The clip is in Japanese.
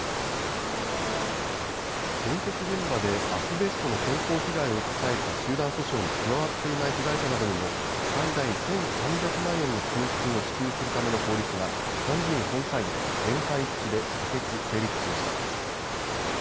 建設現場でアスベストの健康被害を訴えた集団訴訟に加わっていない被害者などにも最大１３００万円の給付金を支給するための法律が参議院本会議で全会一致で可決・成立しました。